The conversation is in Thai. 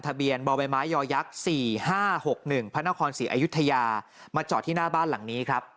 ทะเบียนบ่อใบไม้ยอยักษ์๔๕๖๑พระนครศรีอยุธยามาจอดที่หน้าบ้านหลังนี้ครับ